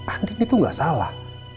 andin itu gak salah